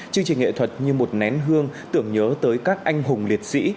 chương trình nghệ thuật như một nén hương tưởng nhớ tới các anh hùng liệt sĩ